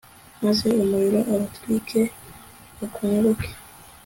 maze umuriro ubatwike, bakongoke